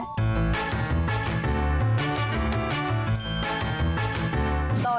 โปรดติดตามตอนตอนต่อ